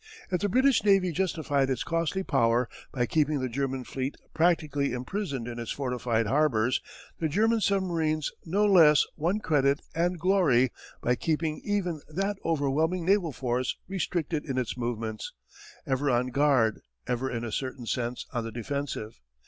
If the British navy justified its costly power by keeping the German fleet practically imprisoned in its fortified harbours, the German submarines no less won credit and glory by keeping even that overwhelming naval force restricted in its movements, ever on guard, ever in a certain sense on the defensive.